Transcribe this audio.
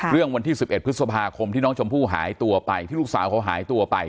วันที่๑๑พฤษภาคมที่น้องชมพู่หายตัวไปที่ลูกสาวเขาหายตัวไป